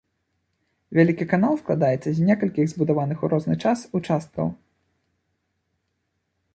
Вялікі канал складаецца з некалькіх збудаваных у розны час участкаў.